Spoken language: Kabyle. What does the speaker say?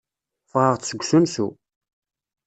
Ffɣeɣ-d seg usensu.